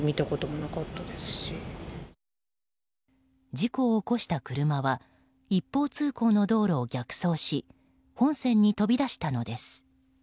事故を起こした車は一方通行の道路を逆走し本線に飛び出したのです。